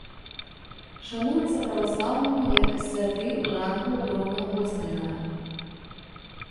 Шануецца праваслаўнымі як святы ў рангу роўнаапостальнага.